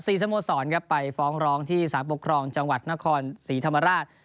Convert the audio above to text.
สโมสรครับไปฟ้องร้องที่สารปกครองจังหวัดนครศรีธรรมราช